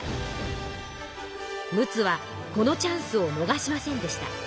陸奥はこのチャンスをのがしませんでした。